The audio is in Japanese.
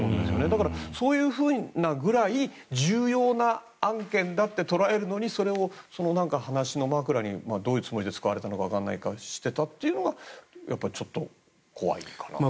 だから、そういうぐらいに重要な案件だって捉えるのにそれを話の枕にどういうつもりで使われたかわからないけどしていたというのがちょっと怖いかなと。